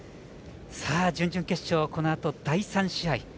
準々決勝、このあと第３試合。